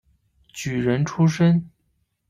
举人出身。